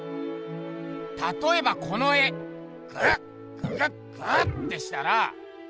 たとえばこの絵グッググッグッてしたら。